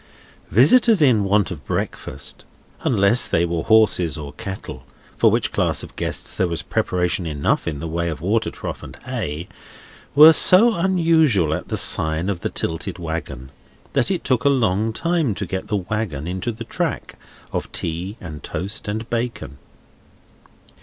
Visitors in want of breakfast—unless they were horses or cattle, for which class of guests there was preparation enough in the way of water trough and hay—were so unusual at the sign of The Tilted Wagon, that it took a long time to get the wagon into the track of tea and toast and bacon.